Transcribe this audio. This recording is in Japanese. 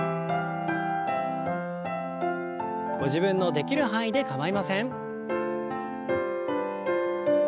ご自分のできる範囲で構いません。